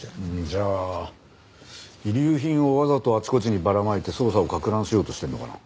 じゃあ遺留品をわざとあちこちにばらまいて捜査を攪乱しようとしてるのかな？